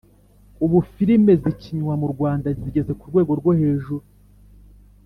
ubu filime zikinywa murwanda zigeze kurwego rwo hejuru